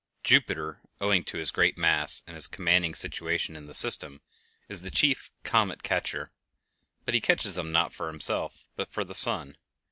Jupiter, owing to his great mass and his commanding situation in the system, is the chief "comet catcher;" but he catches them not for himself, but for the sun.